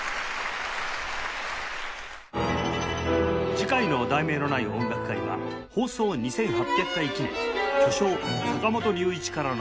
次回の『題名のない音楽会』は放送２８００回記念「巨匠・坂本龍一からの伝達」